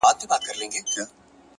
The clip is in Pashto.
هڅه د ناکامۍ درملنه ده!.